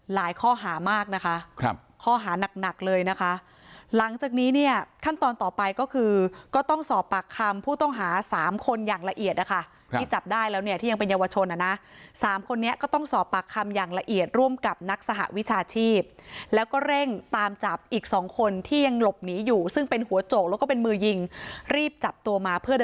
ข้อหามากนะคะครับข้อหานักหนักเลยนะคะหลังจากนี้เนี่ยขั้นตอนต่อไปก็คือก็ต้องสอบปากคำผู้ต้องหาสามคนอย่างละเอียดนะคะที่จับได้แล้วเนี่ยที่ยังเป็นเยาวชนอ่ะนะสามคนนี้ก็ต้องสอบปากคำอย่างละเอียดร่วมกับนักสหวิชาชีพแล้วก็เร่งตามจับอีกสองคนที่ยังหลบหนีอยู่ซึ่งเป็นหัวโจกแล้วก็เป็นมือยิงรีบจับตัวมาเพื่อด